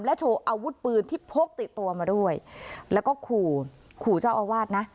โชว์อาวุธปืนที่พกติดตัวมาด้วยแล้วก็ขู่ขู่เจ้าอาวาสนะ